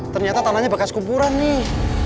ternyata tanahnya bekas kuburan nih